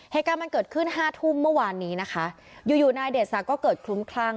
เหตุการณ์มันเกิดขึ้นห้าทุ่มเมื่อวานนี้นะคะอยู่อยู่นายเดชศักดิ์ก็เกิดคลุ้มคลั่ง